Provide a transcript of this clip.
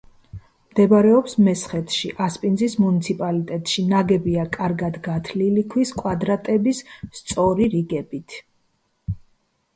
მდებარეობს მესხეთში, ასპინძის მუნიციპალიტეტში, ნაგებია კარგად გათლილი ქვის კვადრების სწორი რიგებით.